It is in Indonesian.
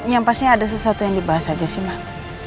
yang pasti ada sesuatu yang dibahas aja sih mak